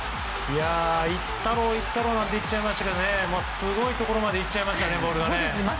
いったろう、いったろうって言っちゃいましたけどすごいところまでいっちゃいましたね、ボールが。